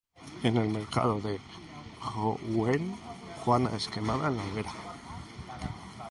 En el mercado de Rouen, Juana es quemada en la hoguera.